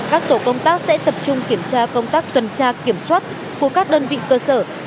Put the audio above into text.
các tổ công tác sẽ tập trung kiểm tra công tác tuần tra kiểm soát của các đơn vị cơ sở